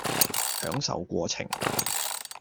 享受過程